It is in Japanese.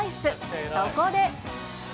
そこで。